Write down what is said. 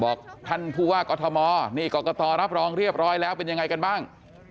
ท่านผู้ว่ากอทมนี่กรกตรับรองเรียบร้อยแล้วเป็นยังไงกันบ้าง